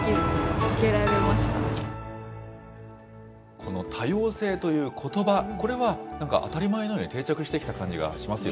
この多様性ということば、これはなんか当たり前のように定着してきた感じがしますよね。